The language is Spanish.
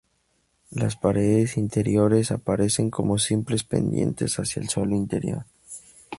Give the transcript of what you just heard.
Las paredes interiores aparecen como simples pendientes hacia el suelo interior.